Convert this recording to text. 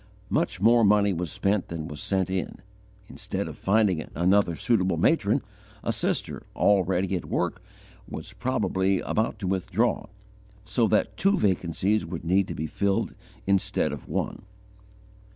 Much more money was spent than was sent in; instead of finding another suitable matron, a sister, already at work, was probably about to withdraw, so that two vacancies would need to be filled instead of one.